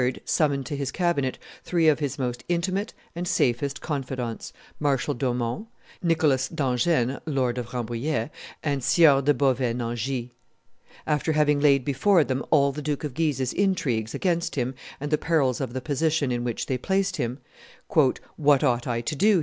summoned to his cabinet three of his most intimate and safest confidants, Marshal d'Aumont, Nicholas d'Angennes, Lord of Rambouillet, and Sieur de Beauvais Nangis. After having laid before them all the Duke of Guise's intrigues against him and the perils of the position in which they placed him, "What ought I to do?"